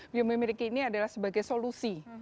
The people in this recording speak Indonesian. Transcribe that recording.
bio membrie ini adalah sebagai solusi